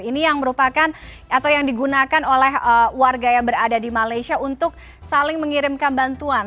ini yang digunakan oleh warga yang berada di malaysia untuk saling mengirimkan bantuan